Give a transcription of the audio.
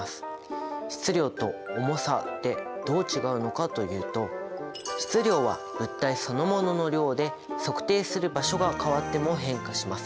質量と重さってどう違うのかというと質量は物体そのものの量で測定する場所が変わっても変化しません。